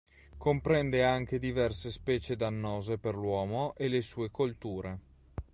Comprende anche diverse specie dannose per l'uomo e le sue colture.